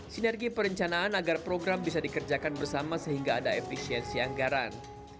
sinergi perencanaan agar program bisa dikerjakan bersama sehingga ada efisiensi anggaran